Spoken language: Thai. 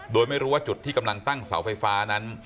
โดยไม่รู้ว่าจุดที่กำลังตั้งเสาไฟฟ้านั้น